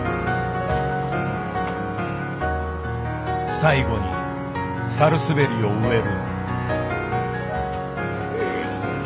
最後にサルスベリを植える。